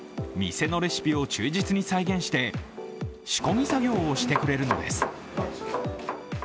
店のレシピを忠実に再現して仕込み作業をしてくれるのです。